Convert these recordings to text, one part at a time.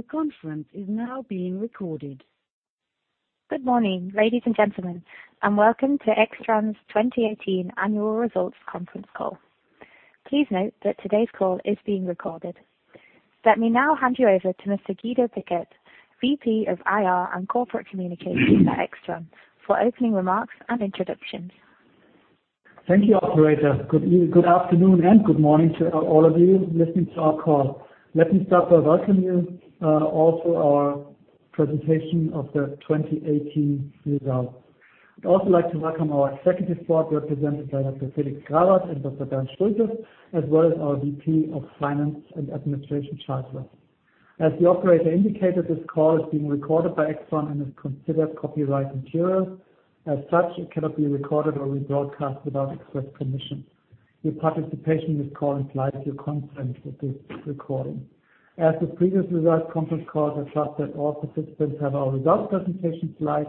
The conference is now being recorded. Good morning, ladies and gentlemen, and welcome to AIXTRON's 2018 annual results conference call. Please note that today's call is being recorded. Let me now hand you over to Mr. Guido Pickert, Vice President Investor Relations & Corporate Communications at AIXTRON, for opening remarks and introductions. Thank you, operator. Good afternoon and good morning to all of you listening to our call. Let me start by welcoming you all to our presentation of the 2018 results. I'd also like to welcome our Executive Board, represented by Dr. Felix Grawert and Dr. Bernd Schulte, as well as our Vice President Finance & Administration, Charles Russell. As the operator indicated, this call is being recorded by AIXTRON and is considered copyright material. As such, it cannot be recorded or rebroadcast without express permission. Your participation in this call implies your consent to this recording. As with previous result conference calls, I trust that all participants have our results presentation slides,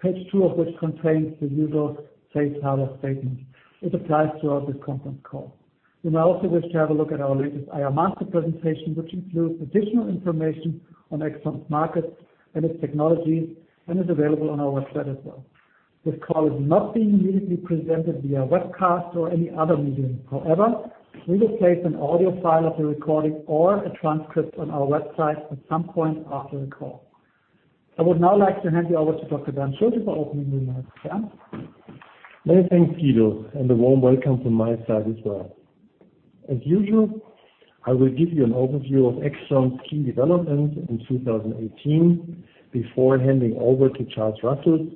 page two of which contains the usual safe harbor statement, which applies throughout this conference call. You may also wish to have a look at our latest IR Master presentation, which includes additional information on AIXTRON's markets and its technologies, and is available on our website as well. This call is not being immediately presented via webcast or any other medium. However, we will place an audio file of the recording or a transcript on our website at some point after the call. I would now like to hand you over to Dr. Bernd Schulte for opening remarks. Bernd? Many thanks, Guido, and a warm welcome from my side as well. As usual, I will give you an overview of AIXTRON's key development in 2018 before handing over to Charles Russell,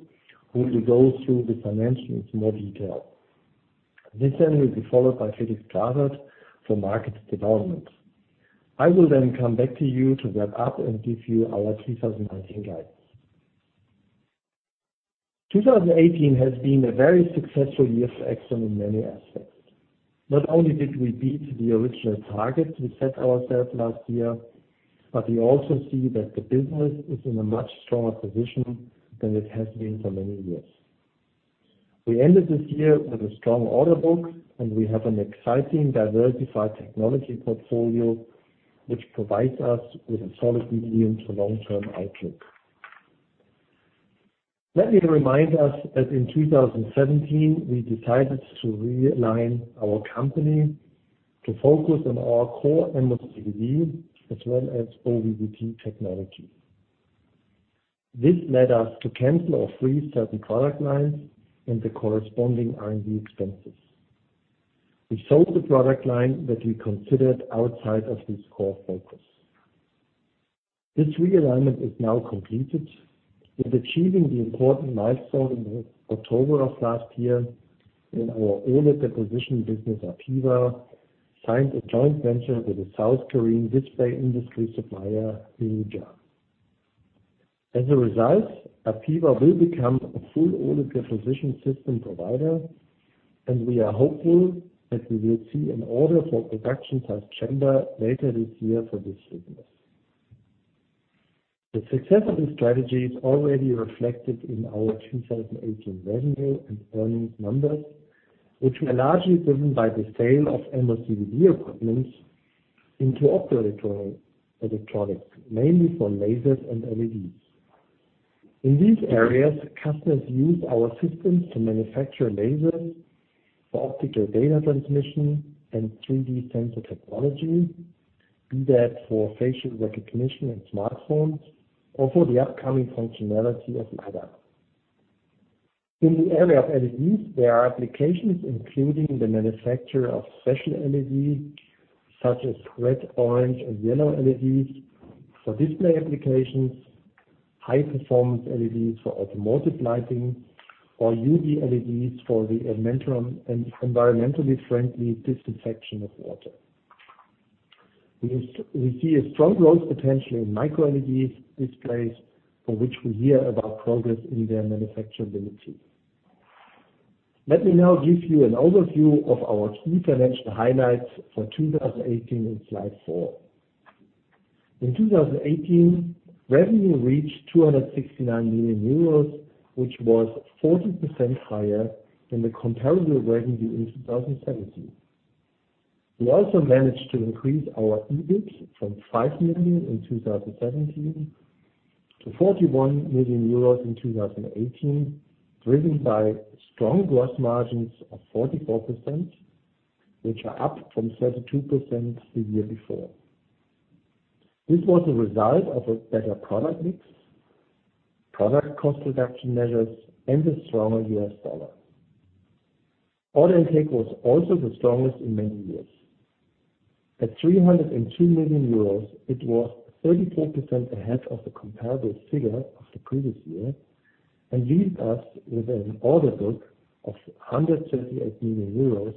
who will go through the financials in more detail. This will be followed by Felix Grawert for market development. I will come back to you to wrap up and give you our 2019 guidance. 2018 has been a very successful year for AIXTRON in many aspects. Not only did we beat the original targets we set ourselves last year, but we also see that the business is in a much stronger position than it has been for many years. We ended this year with a strong order book, and we have an exciting, diversified technology portfolio, which provides us with a solid medium- to long-term outlook. Let me remind us that in 2017, we decided to realign our company to focus on our core MOCVD as well as OVPD technology. This led us to cancel or freeze certain product lines and the corresponding R&D expenses. We sold the product line that we considered outside of this core focus. This realignment is now completed, with achieving the important milestone in October of last year, when our OLED deposition business, APEVA, signed a joint venture with a South Korean display industry supplier, IRUJA. As a result, APEVA will become a full OLED deposition system provider, and we are hopeful that we will see an order for production type chamber later this year for this business. The success of this strategy is already reflected in our 2018 revenue and earnings numbers, which were largely driven by the sale of MOCVD equipment into optoelectronics, mainly for lasers and LEDs. In these areas, customers use our systems to manufacture lasers for optical data transmission and 3D sensor technology, be that for facial recognition and smartphones or for the upcoming functionality of LiDAR. In the area of LEDs, there are applications including the manufacture of special LEDs, such as red, orange, and yellow LEDs for display applications, high-performance LEDs for automotive lighting or UV LEDs for the environmental and environmentally friendly disinfection of water. We see a strong growth potential in MicroLED displays, for which we hear about progress in their manufacturability. Let me now give you an overview of our key financial highlights for 2018 in slide four. In 2018, revenue reached 269 million euros, which was 40% higher than the comparable revenue in 2017. We also managed to increase our EBIT from 5 million in 2017 to 41 million euros in 2018, driven by strong gross margins of 44%, which are up from 32% the year before. This was a result of a better product mix, product cost reduction measures, and the stronger US dollar. Order intake was also the strongest in many years. At 302 million euros, it was 34% ahead of the comparable figure of the previous year, and leaves us with an order book of 178 million euros,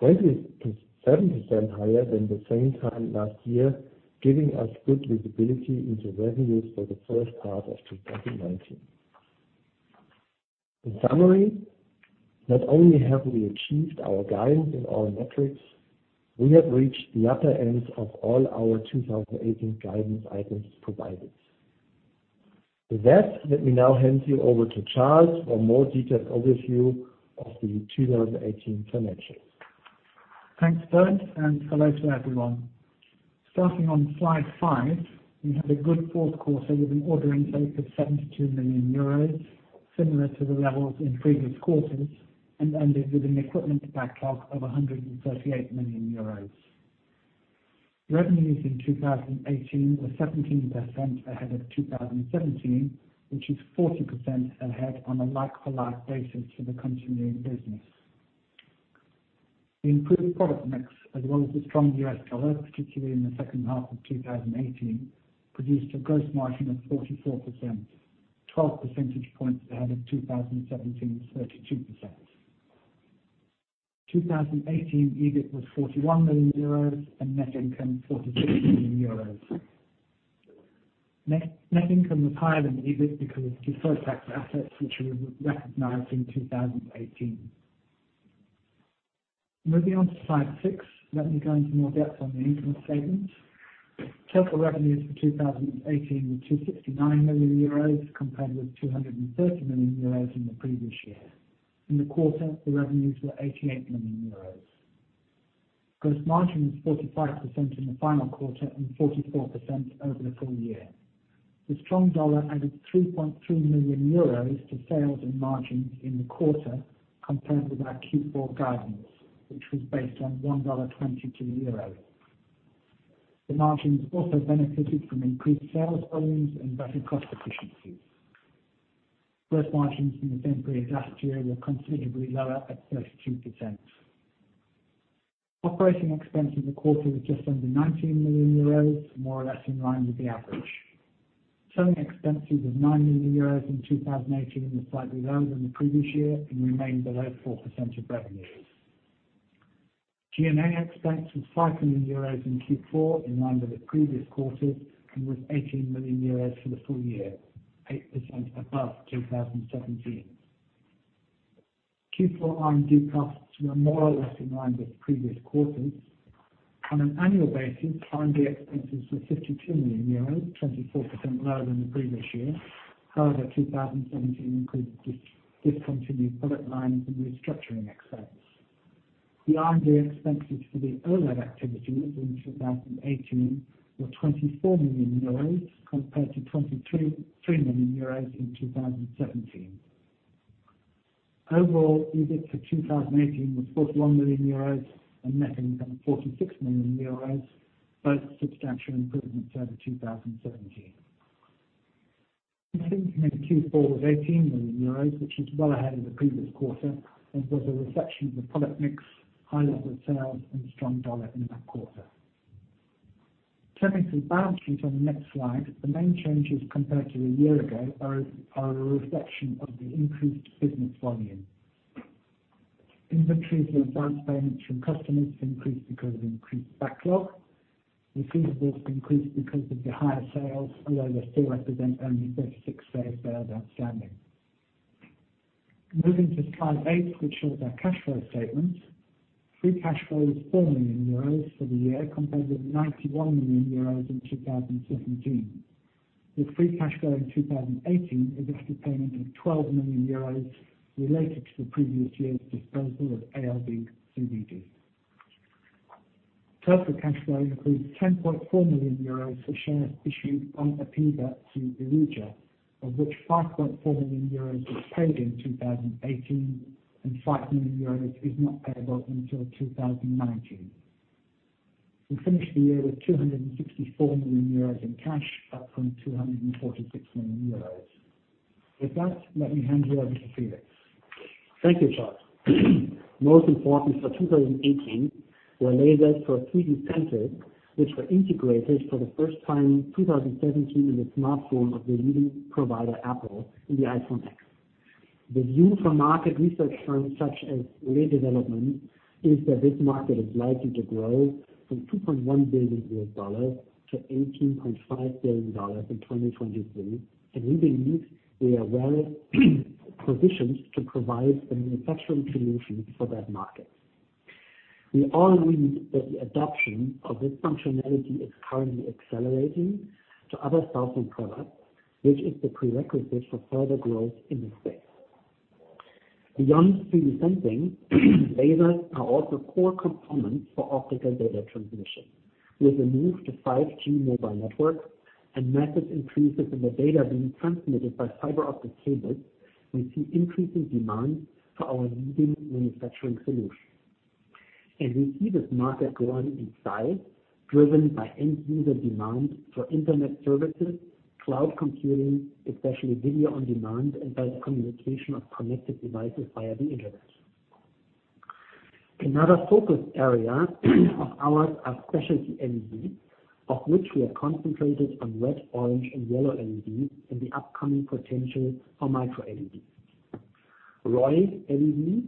27% higher than the same time last year, giving us good visibility into revenues for the first half of 2019. In summary, not only have we achieved our guidance in all metrics, we have reached the upper ends of all our 2018 guidance items provided. With that, let me now hand you over to Charles for a more detailed overview of the 2018 financials. Thanks, Bernd, and hello to everyone. Starting on slide five, we had a good fourth quarter with an order intake of 72 million euros, similar to the levels in previous quarters, and ended with an equipment backlog of 138 million euros. Revenues in 2018 were 17% ahead of 2017, which is 40% ahead on a like-for-like basis for the continuing business. The improved product mix as well as the strong US dollar, particularly in the second half of 2018, produced a gross margin of 44%, 12 percentage points ahead of 2017's 32%. 2018 EBIT was 41 million euros and net income 46 million euros. Net income was higher than EBIT because deferred tax assets, which we recognized in 2018. Moving on to slide six, let me go into more depth on the income statement. Total revenues for 2018 were 269 million euros, compared with 230 million euros in the previous year. In the quarter, the revenues were 88 million euros. Gross margin was 45% in the final quarter and 44% over the full year. The strong dollar added 3.3 million euros to sales and margins in the quarter compared with our Q4 guidance, which was based on $1.22. The margins also benefited from increased sales volumes and better cost efficiencies. Gross margins in the same period last year were considerably lower at 32%. Operating expenses in the quarter was just under 19 million euros, more or less in line with the average. Selling expenses of nine million euros in 2018 was slightly lower than the previous year and remained below 4% of revenues. G&A expense was five million euros in Q4, in line with the previous quarters, and was 18 million euros for the full year, 8% above 2017. Q4 R&D costs were more or less in line with previous quarters. On an annual basis, R&D expenses were 52 million euros, 24% lower than the previous year. However, 2017 included discontinued product lines and restructuring expense. The R&D expenses for the OLED activities in 2018 were 24 million euros compared to 23 million euros in 2017. Overall, EBIT for 2018 was 41 million euros and net income 46 million euros, both substantial improvements over 2017. Q4 was 18 million euros, which is well ahead of the previous quarter and was a reflection of the product mix, high levels of sales, and strong dollar in that quarter. Turning to the balance sheet on the next slide, the main changes compared to a year ago are a reflection of the increased business volume. Inventories and advance payments from customers increased because of increased backlog. Receivables increased because of the higher sales, although they still represent only 36 days sales outstanding. Moving to slide eight, which shows our cash flow statement. Free cash flow is 4 million euros for the year, compared with 91 million euros in 2017. The free cash flow in 2018 is after payment of 12 million euros related to the previous year's disposal of ALD/CVD. Total cash flow includes 10.4 million euros for shares issued on a PIK to IRUJA, of which 5.4 million euros was paid in 2018 and 5 million euros is not payable until 2019. We finished the year with 264 million euros in cash, up from 246 million euros. With that, let me hand you over to Felix. Thank you, Charles. Most important for 2018 were lasers for 3D sensing, which were integrated for the first time in 2017 in the smartphone of the leading provider, Apple, in the iPhone X. The view from market research firms such as Yole Développement is that this market is likely to grow from $2.1 billion-$18.5 billion in 2023. We believe we are well positioned to provide the manufacturing solutions for that market. We are aware that the adoption of this functionality is currently accelerating to other cellphone products, which is the prerequisite for further growth in this space. Beyond 3D sensing, lasers are also core components for optical data transmission. With the move to 5G mobile networks and massive increases in the data being transmitted by fiber optic cables, we see increasing demand for our leading manufacturing solutions. We see this market growing in size, driven by end-user demand for internet services, cloud computing, especially video on demand, and by the communication of connected devices via the internet. Another focus area of ours are specialty LEDs, of which we are concentrated on red, orange, and yellow LEDs and the upcoming potential for MicroLEDs. ROY LEDs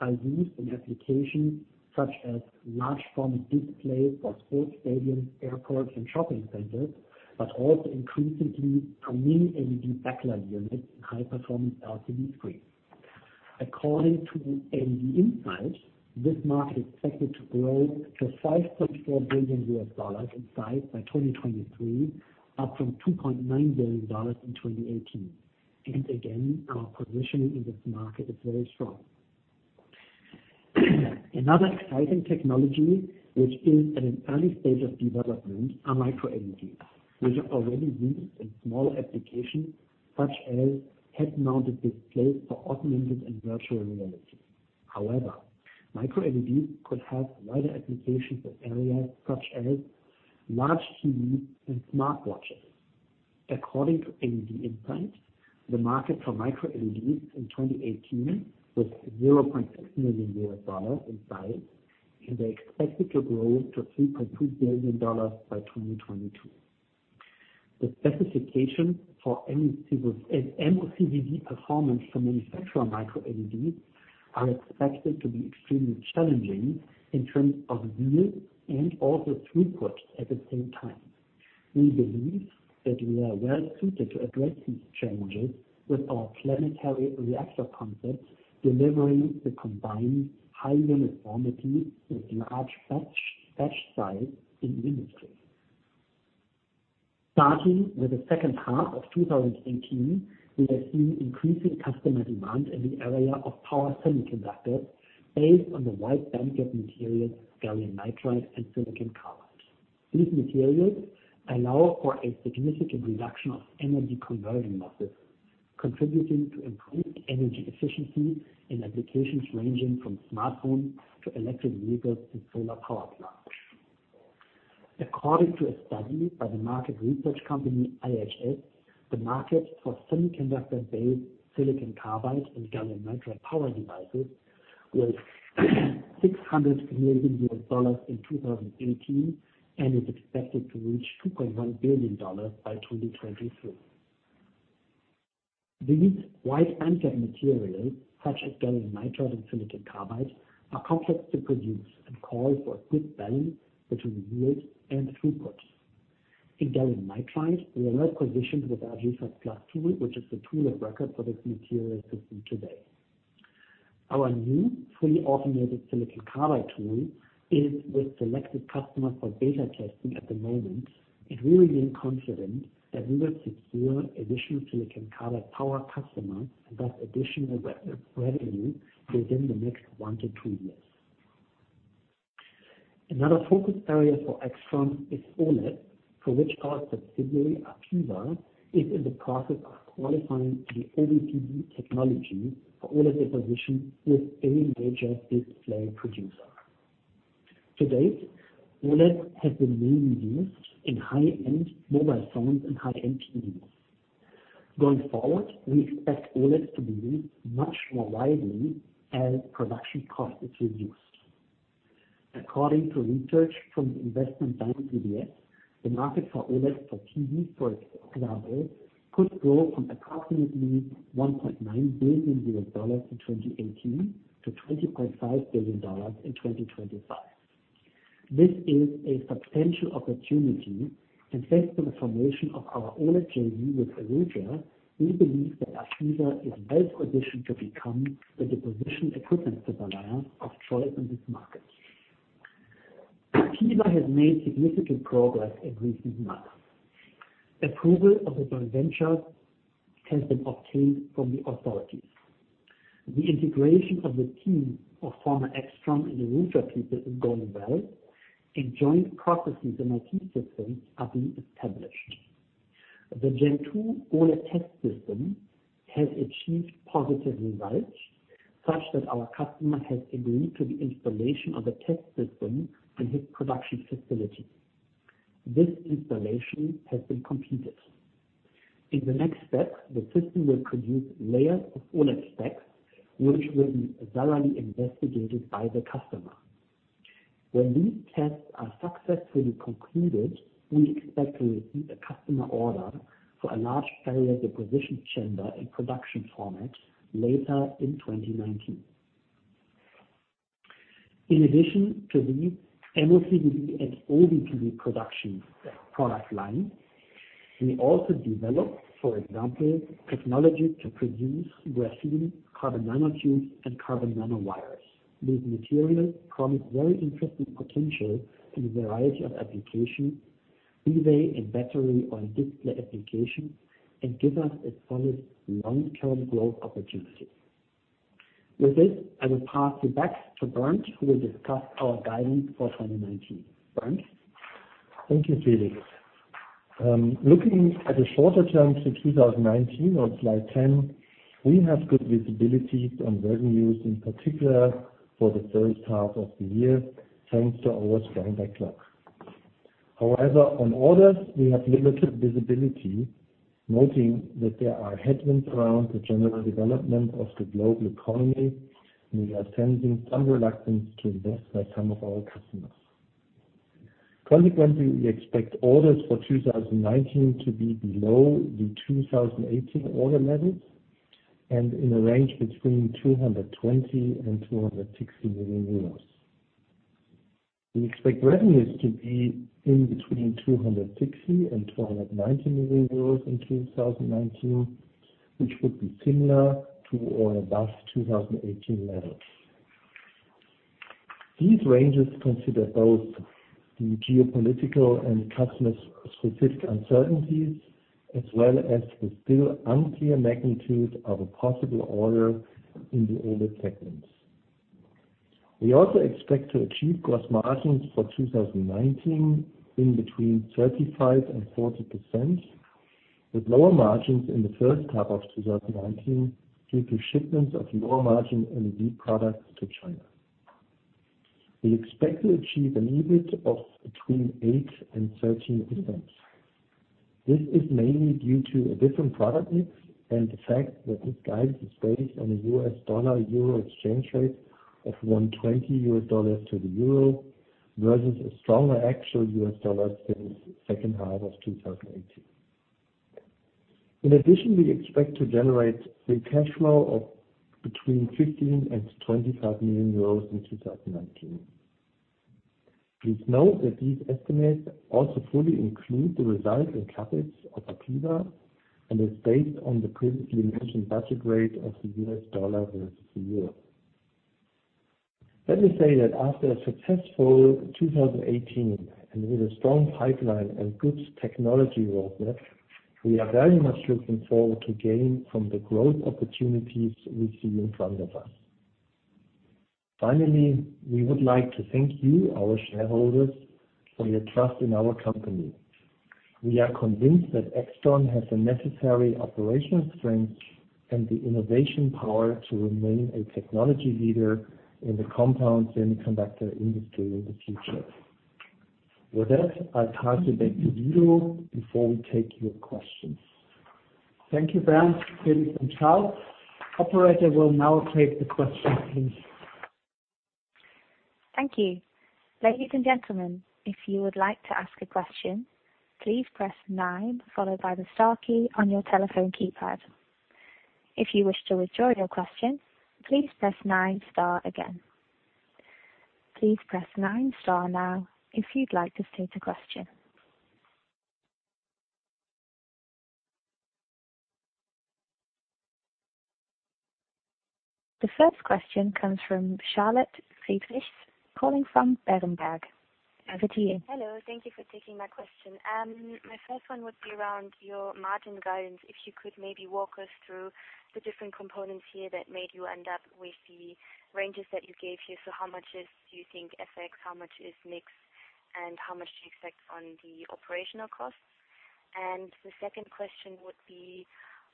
are used in applications such as large format displays for sports stadiums, airports, and shopping centers, but also increasingly on Mini LED backlight units in high performance LCD screens. According to LEDinside, this market is expected to grow to $5.4 billion in size by 2023, up from $2.9 billion in 2018. Again, our positioning in this market is very strong. Another exciting technology, which is at an early stage of development, are MicroLEDs, which are already used in small applications such as head-mounted displays for augmented and virtual reality. However, MicroLEDs could have wider applications for areas such as large TVs and smartwatches. According to LEDinside, the market for MicroLEDs in 2018 was $0.6 million in size, and they're expected to grow to $3.2 billion by 2022. The specification for MOCVD performance for manufacturing MicroLEDs are expected to be extremely challenging in terms of yield and also throughput at the same time. We believe that we are well suited to address these challenges with our Planetary Reactor concept, delivering the combined high uniformity with large batch size in industry. Starting with the second half of 2018, we have seen increasing customer demand in the area of power semiconductors based on the wide bandgap materials, gallium nitride and silicon carbide. These materials allow for a significant reduction of energy converting losses, contributing to improved energy efficiency in applications ranging from smartphones to electric vehicles and solar power plants. According to a study by the market research company IHS, the market for semiconductor-based silicon carbide and gallium nitride power devices was EUR 600 million in 2018 and is expected to reach EUR 2.1 billion by 2023. These wide bandgap materials, such as gallium nitride and silicon carbide, are complex to produce and call for a good balance between yield and throughput. In gallium nitride, we are well-positioned with our Genesis Plus tool, which is the tool of record for this material system today. Our new fully automated silicon carbide tool is with selected customers for beta testing at the moment. We remain confident that we will secure additional silicon carbide power customers and thus additional revenue within the next one to two years. Another focus area for AIXTRON is OLED, for which our subsidiary, APEVA, is in the process of qualifying the OVPD technology for OLED deposition with a major display producer. To date, OLEDs have been mainly used in high-end mobile phones and high-end TVs. Going forward, we expect OLEDs to be used much more widely as production cost is reduced. According to research from the investment bank UBS, the market for OLEDs for TVs, for example, could grow from approximately EUR 1.9 billion in 2018 to EUR 20.5 billion in 2025. This is a substantial opportunity. Thanks to the formation of our OLED JV with IRUJA, we believe that APEVA is well-positioned to become the deposition equipment supplier of choice in this market. APEVA has made significant progress in recent months. Approval of the joint venture has been obtained from the authorities. The integration of the team of former AIXTRON and IRUJA people is going well, and joint processes and IT systems are being established. The Gen 2 OLED test system has achieved positive results, such that our customer has agreed to the installation of the test system in his production facility. This installation has been completed. In the next step, the system will produce layers of OLED stacks, which will be thoroughly investigated by the customer. When these tests are successfully concluded, we expect to receive a customer order for a large-area deposition chamber in production format later in 2019. In addition to these MOCVD and OVPD product lines, we also develop, for example, technology to produce graphene, carbon nanotubes, and carbon nanowires. These materials promise very interesting potential in a variety of applications, either in battery or in display application, and give us a solid long-term growth opportunity. With this, I will pass you back to Bernd, who will discuss our guidance for 2019. Bernd? Thank you, Felix. Looking at the shorter term for 2019 on slide 10, we have good visibility on revenues, in particular for the first half of the year, thanks to our stronger backlog. However, on orders, we have limited visibility, noting that there are headwinds around the general development of the global economy, and we are sensing some reluctance to invest by some of our customers. Consequently, we expect orders for 2019 to be below the 2018 order levels and in a range between 220 million and 260 million euros. We expect revenues to be in between 260 million and 290 million euros in 2019, which would be similar to or above 2018 levels. These ranges consider both the geopolitical and customer-specific uncertainties, as well as the still unclear magnitude of a possible order in the OLED segment. We also expect to achieve gross margins for 2019 in between 35% and 40%, with lower margins in the first half of 2019, due to shipments of lower margin LED products to China. We expect to achieve an EBIT of between 8% and 13%. This is mainly due to a different product mix and the fact that this guidance is based on a US dollar-euro exchange rate of 1.20 US dollars to the euro, versus a stronger actual US dollar since the second half of 2018. In addition, we expect to generate free cash flow of between 15 million and 25 million euros in 2019. Please note that these estimates also fully include the results and CapEx of APEVA, and is based on the previously mentioned budget rate of the US dollar versus the euro. Let me say that after a successful 2018, and with a strong pipeline and good technology roadmap, we are very much looking forward to gain from the growth opportunities we see in front of us. Finally, we would like to thank you, our shareholders, for your trust in our company. We are convinced that AIXTRON has the necessary operational strength and the innovation power to remain a technology leader in the compound semiconductor industry in the future. With that, I'll pass it back to Guido before we take your questions. Thank you, Bernd, Felix, and Charles. Operator will now take the questions, please. Thank you. Ladies and gentlemen, if you would like to ask a question, please press nine, followed by the star key on your telephone keypad. If you wish to withdraw your question, please press nine, star again. Please press nine, star now if you'd like to state a question. The first question comes from Charlotte Friedrichs calling from Berenberg. Over to you. Hello. Thank you for taking my question. My first one would be around your margin guidance. If you could maybe walk us through the different components here that made you end up with the ranges that you gave here. How much is, do you think, FX? How much is mix, and how much do you expect on the operational costs? The second question would be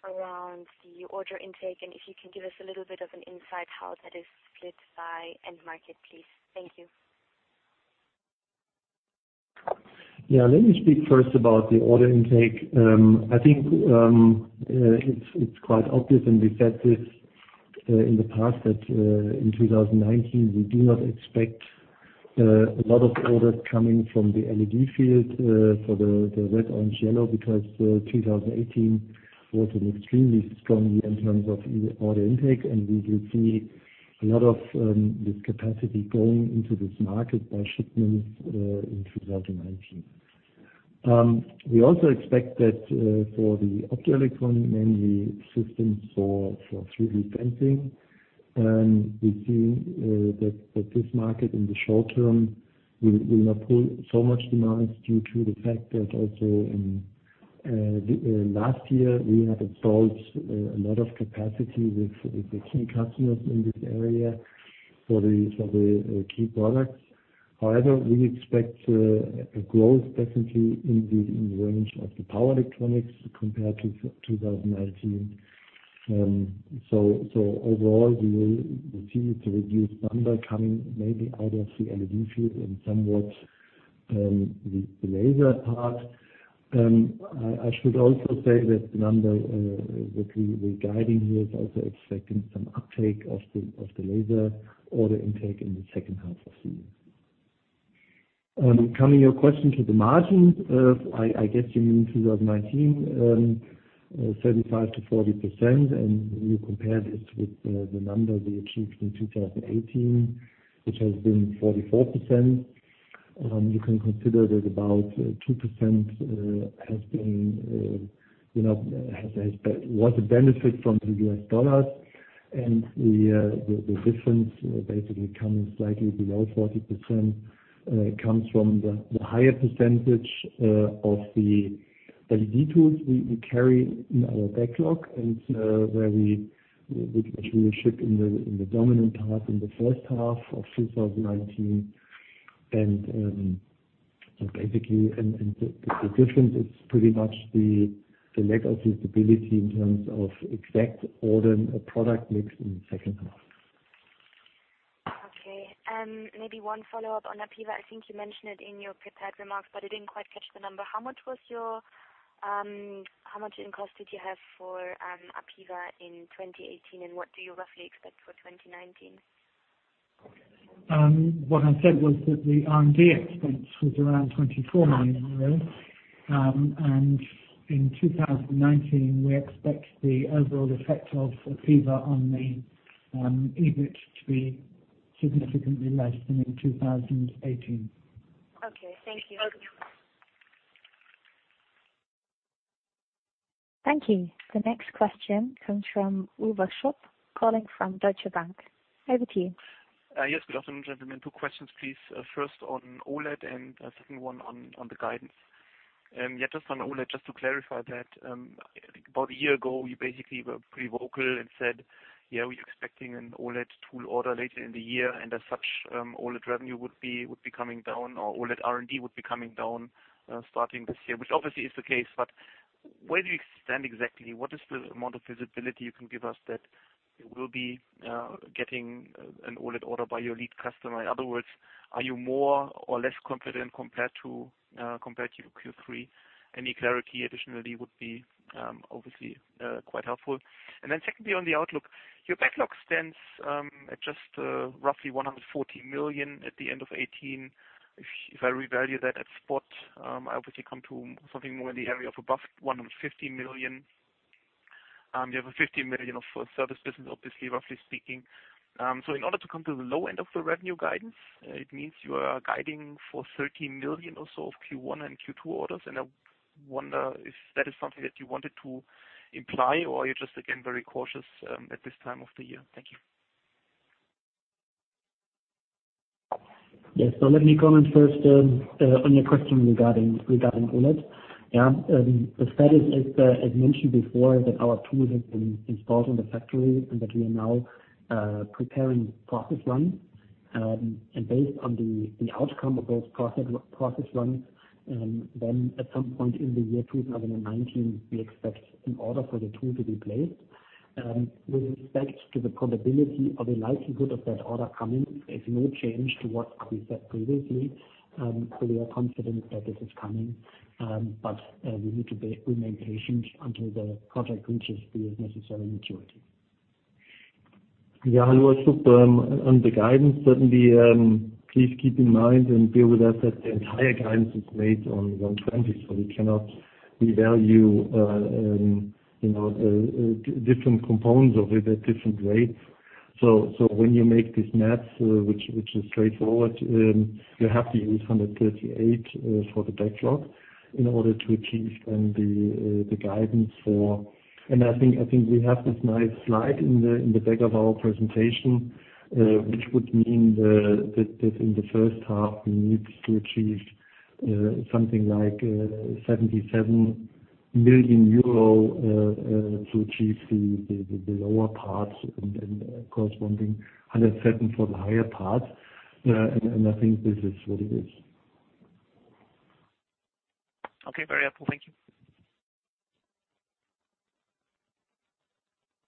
around the order intake, and if you can give us a little bit of an insight how that is split by end market, please. Thank you. Yeah. Let me speak first about the order intake. I think it's quite obvious, and we said this in the past, that in 2019, we do not expect a lot of orders coming from the LED field for the red, orange, yellow, because 2018 was an extremely strong year in terms of order intake, and we will see a lot of this capacity going into this market by shipments in 2019. We also expect that for the optoelectronics, mainly systems for 3D sensing, we see that this market in the short term will not pull so much demands due to the fact that also in last year, we had installed a lot of capacity with the key customers in this area for the key products. However, we expect a growth definitely in the range of the power electronics compared to 2019. Overall, we will see the reduced number coming maybe out of the LED field and somewhat the laser part. I should also say that the number that we're guiding here is also expecting some uptake of the laser order intake in the second half of the year. Coming to your question to the margins, I guess you mean 2019, 35%-40%, and you compare this with the number we achieved in 2018, which has been 44%. You can consider that about 2% was a benefit from the US dollars, and the difference basically coming slightly below 40% comes from the higher percentage of the LED tools we carry in our backlog, and which we will ship in the dominant part in the first half of 2019. Basically, the difference is pretty much the lack of visibility in terms of exact order and product mix in the second half. Okay. Maybe one follow-up on APEVA. I think you mentioned it in your prepared remarks, but I didn't quite catch the number. How much in cost did you have for APEVA in 2018, and what do you roughly expect for 2019? What I said was that the R&D expense was around 24 million euros. In 2019, we expect the overall effect of APEVA on the EBIT to be significantly less than in 2018. Okay. Thank you. Thank you. The next question comes from Uwe Schupp, calling from Deutsche Bank. Over to you. Yes. Good afternoon, gentlemen. Two questions, please. First on OLED and second one on the guidance. Yeah, just on OLED, just to clarify that, about a year ago, you basically were pretty vocal and said, "Yeah, we're expecting an OLED tool order later in the year, and as such, OLED revenue would be coming down, or OLED R&D would be coming down, starting this year," which obviously is the case, but where do you stand exactly? What is the amount of visibility you can give us that you will be getting an OLED order by your lead customer? In other words, are you more or less confident compared to Q3? Any clarity additionally would be obviously quite helpful. Secondly, on the outlook, your backlog stands at just roughly 140 million at the end of 2018. If I revalue that at spot, I obviously come to something more in the area of above 150 million. You have a 50 million of service business, obviously, roughly speaking. In order to come to the low end of the revenue guidance, it means you are guiding for 13 million or so of Q1 and Q2 orders. I wonder if that is something that you wanted to imply, or you're just, again, very cautious at this time of the year. Thank you. Let me comment first on your question regarding OLED. The status, as mentioned before, that our tool has been installed in the factory and that we are now preparing process runs. Based on the outcome of those process runs, at some point in the year 2019, we expect an order for the tool to be placed. With respect to the probability or the likelihood of that order coming, there is no change to what we said previously. We are confident that this is coming, but we need to remain patient until the project reaches the necessary maturity. Uwe Schupp, on the guidance, certainly, please keep in mind and bear with us that the entire guidance is made on 120, we cannot revalue different components of it at different rates. When you make these maths, which is straightforward, you have to use 138 for the backlog in order to achieve the guidance for. I think we have this nice slide in the back of our presentation, which would mean that in the first half, we need to achieve something like 77 million euro to achieve the lower parts and corresponding 107 for the higher parts. I think this is what it is. Okay. Very helpful. Thank you.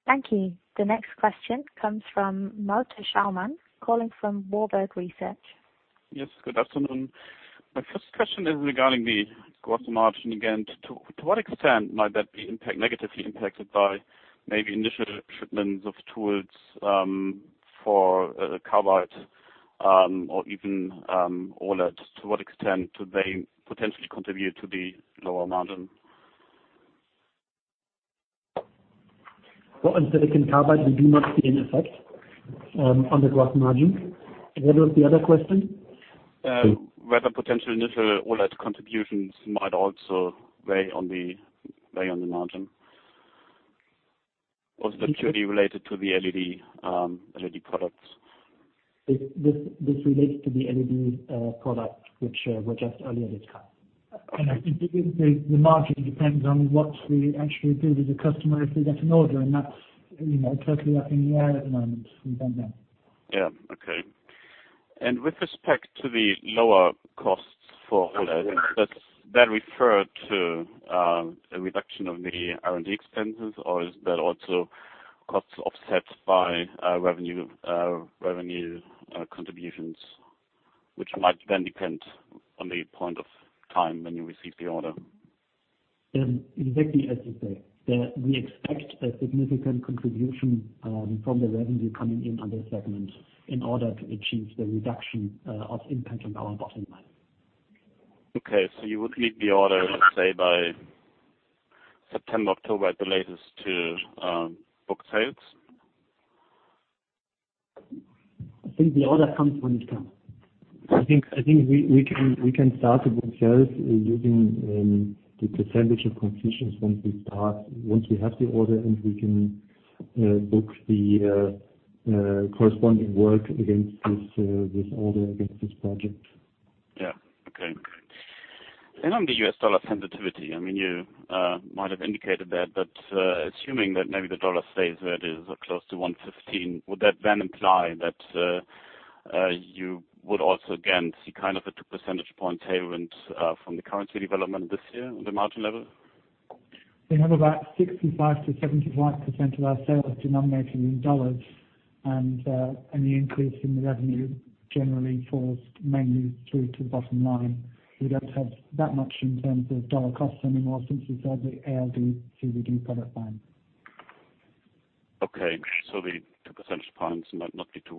Thank you. The next question comes from Malte Schaumann, calling from Warburg Research. Yes, good afternoon. My first question is regarding the gross margin again. To what extent might that be negatively impacted by maybe initial shipments of tools for carbide or even OLEDs? To what extent do they potentially contribute to the lower margin? Well, in silicon carbide, we do not see an effect on the gross margin. What was the other question? Whether potential initial OLED contributions might also weigh on the margin. Or is that purely related to the LED products? This relates to the LED product, which were just earlier discussed. The margin depends on what we actually do with the customer if we get an order, and that's totally up in the air at the moment. We don't know. Yeah. Okay. With respect to the lower costs for OLED Yes. Does that refer to a reduction of the R&D expenses, or is that also costs offset by revenue contributions, which might then depend on the point of time when you receive the order? Exactly as you say. We expect a significant contribution from the revenue coming in on this segment in order to achieve the reduction of impact on our bottom line. Okay. You would need the order, let's say, by September, October at the latest to book sales? I think the order comes when it comes. I think we can start to book sales using the percentage of completion once we have the order, and we can book the corresponding work against this order, against this project. Yeah. Okay. On the US dollar sensitivity, you might have indicated that, but assuming that maybe the dollar stays where it is or close to 115, would that then imply that you would also again see a two percentage point tailwind from the currency development this year on the margin level? We have about 65%-75% of our sales denominating in dollars, and any increase in the revenue generally falls mainly through to the bottom line. We don't have that much in terms of dollar costs anymore since we sold the ALD/CVD product line. The two percentage points might not be too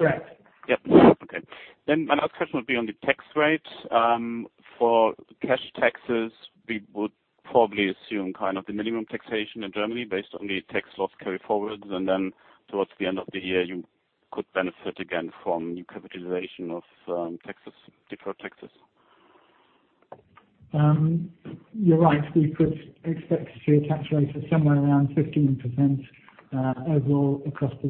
wrong. Correct. My last question would be on the tax rate. For cash taxes, we would probably assume the minimum taxation in Germany based on the tax loss carry-forwards, and towards the end of the year, you could benefit again from new capitalization of deferred taxes. You're right. We could expect to see a tax rate of somewhere around 15% overall across the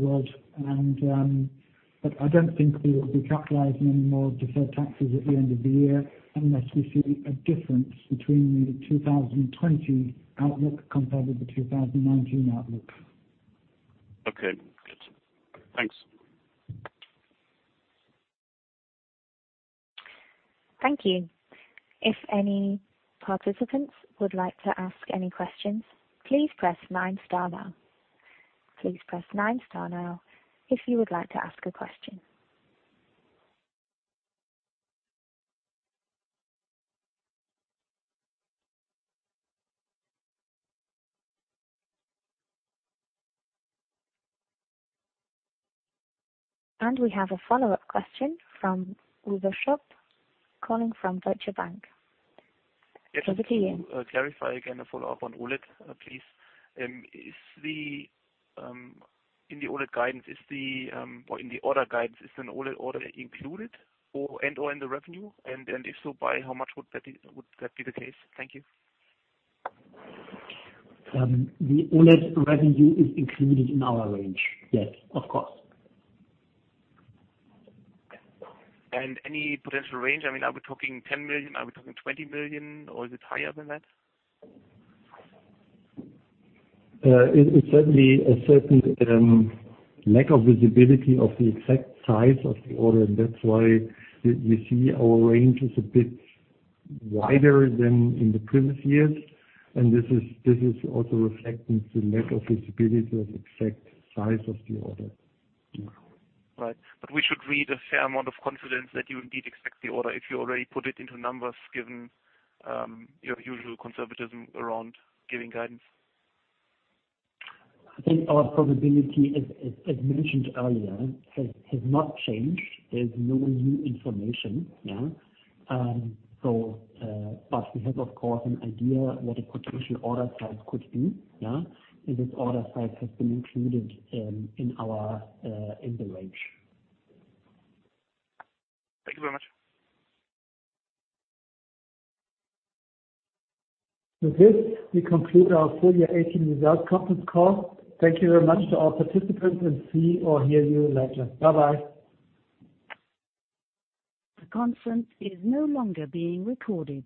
board. I don't think we will be capitalizing any more deferred taxes at the end of the year unless we see a difference between the 2020 outlook compared with the 2019 outlook. Okay, good. Thanks. Thank you. If any participants would like to ask any questions, please press nine star now. Please press nine star now if you would like to ask a question. We have a follow-up question from Uwe Schupp calling from Deutsche Bank. Over to you. Yes. To clarify again, a follow-up on OLED please. In the order guidance, is an OLED order included and/or in the revenue? If so, by how much would that be the case? Thank you. The OLED revenue is included in our range. Yes, of course. Any potential range? Are we talking 10 million? Are we talking 20 million? Is it higher than that? It's certainly a certain lack of visibility of the exact size of the order. That's why you see our range is a bit wider than in the previous years. This is also reflecting the lack of visibility of exact size of the order. Right. We should read a fair amount of confidence that you indeed expect the order if you already put it into numbers given your usual conservatism around giving guidance. I think our probability, as mentioned earlier, has not changed. There's no new information. We have, of course, an idea what a potential order size could be. This order size has been included in the range. Thank you very much. With this, we conclude our full year 2018 results conference call. Thank you very much to our participants and see or hear you later. Bye-bye. The conference is no longer being recorded.